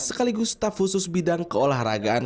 sekaligus staf khusus bidang keolahragaan